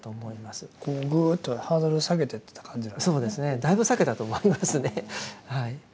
だいぶ下げたと思いますねはい。